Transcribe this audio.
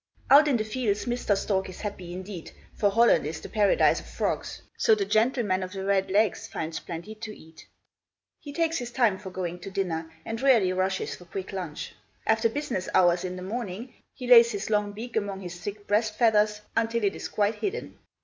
Out in the fields, Mr. Stork is happy indeed, for Holland is the paradise of frogs; so the gentleman of the red legs finds plenty to eat. He takes his time for going to dinner, and rarely rushes for quick lunch. After business hours in the morning, he lays his long beak among his thick breast feathers, until it is quite hidden.